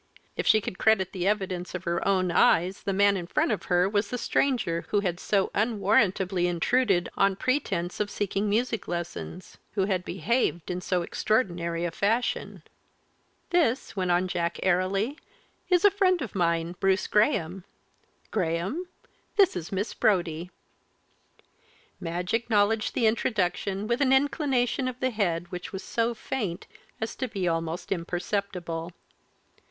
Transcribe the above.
If she could credit the evidence of her own eyes the man in front of her was the stranger who had so unwarrantably intruded on pretence of seeking music lessons who had behaved in so extraordinary a fashion! "This," went on Jack airily, "is a friend of mine, Bruce Graham, Graham, this is Miss Brodie." Madge acknowledged the introduction with an inclination of the head which was so faint as to be almost imperceptible. Mr.